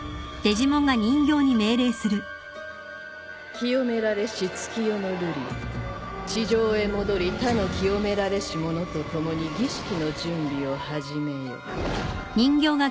清められし月夜野瑠璃よ地上へ戻り他の清められし者と共に儀式の準備を始めよ。